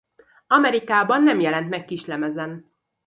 Amerikában nem jelent meg kislemezen.